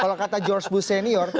kalau kata george bush senior